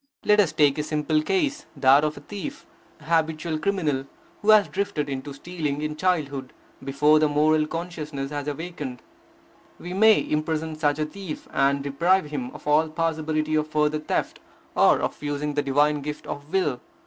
Let us take a simple case, that of a thief, a habitual criminal, who has drifted into stealing in childhood, before the moral consciousness has awakened. We may imprison such a thief, and deprive him of all possibility of further theft, or of using the divine gift of will.